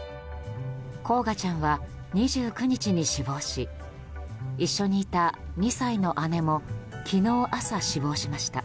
煌翔ちゃんは２９日に死亡し一緒にいた２歳の姉も昨日朝、死亡しました。